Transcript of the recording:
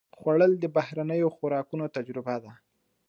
خوړل د بهرنیو خوراکونو تجربه ده